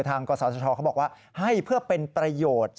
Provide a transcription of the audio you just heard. ทางกษัตริย์ศาสตร์เขาบอกว่าให้เพื่อเป็นประโยชน์